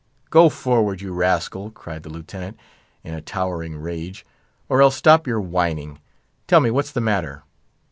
"Go forward, you rascal!" cried the Lieutenant, in a towering rage, "or else stop your whining. Tell me, what's the matter?"